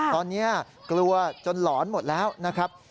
ตอนนี้กลัวจนหลอนหมดแล้วนะครับ